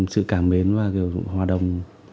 sự cảm mến và hòa đồng